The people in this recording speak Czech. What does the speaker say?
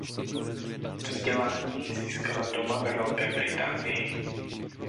Vzdělání získala doma ve Velké Británii.